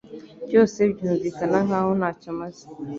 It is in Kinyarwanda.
Byose byumvikana nkaho ntacyo maze